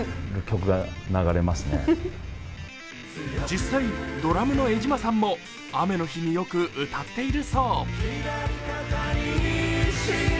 実際、ドラムの江島さんも雨の日によく歌っているそう。